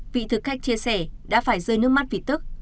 vị thực khách chia sẻ đã phải rơi nước mắt vì tức